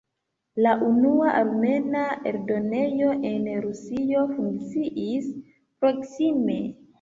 La unua armena eldonejo en Rusio funkciis proksime.